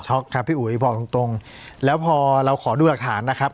ครับพี่อุ๋ยบอกตรงตรงแล้วพอเราขอดูหลักฐานนะครับ